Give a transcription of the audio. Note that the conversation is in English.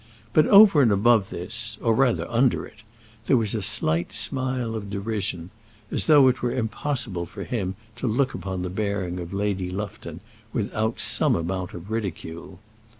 But over and above this, or rather under it, there was a slight smile of derision, as though it were impossible for him to look upon the bearing of Lady Lufton without some amount of ridicule.